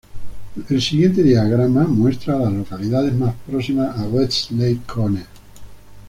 El siguiente diagrama muestra a las localidades más próximas a Westlake Corner.